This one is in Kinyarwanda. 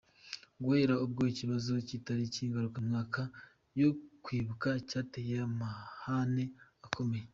Guhera ubwo ikibazo cy’italiki ngarukamwaka yo kwibuka cyateye amahane akomeye .